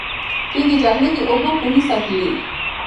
دوی د جګړې د اوبو کوهي ساتلې.